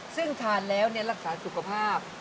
ซึ่งทานแล้วรักษาสุขภาพ